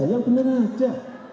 yang benar aja